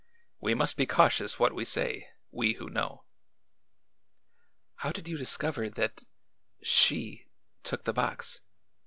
We must be cautious what we say, we who know." "How did you discover that she took the box?"